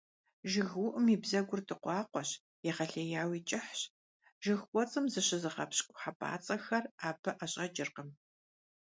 ЖыгыуIум и бзэгур дыкъуакъуэщ, егъэлеяуи кIыхьщ. Жыг кIуэцIым зыщызыгъэпщкIу хьэпIацIэхэр абы IэщIэкIыркъым.